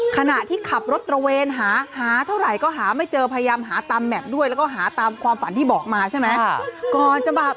ขณะที่ขับรถตระเวนหาหาเท่าไหร่ก็หาไม่เจอพยายามหาตามแมพด้วยแล้วก็หาตามความฝันที่บอกมาใช่ไหม